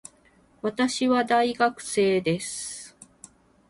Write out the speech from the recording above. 私は大学生です